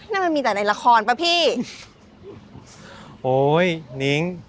นั่นมันมีแต่ในละครป่ะพี่โอ้ยนิ้ง